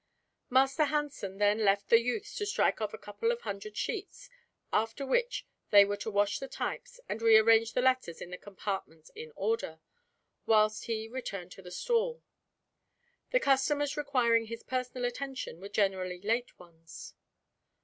Master Hansen then left the youths to strike off a couple of hundred sheets, after which they were to wash the types and re arrange the letters in the compartments in order, whilst he returned to the stall. The customers requiring his personal attention were generally late ones.